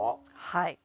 はい。